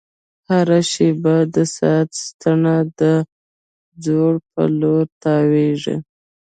هره شېبه د ساعت ستنه د ځوړ په لور تاوېږي.